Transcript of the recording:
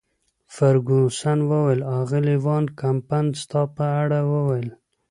فرګوسن وویل: اغلې وان کمپن ستا په اړه ویل.